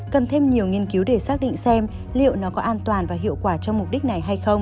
cần thêm nhiều nghiên cứu để xác định xem liệu nó có an toàn và hiệu quả cho mục đích này hay không